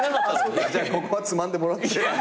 じゃあここはつまんでもらって。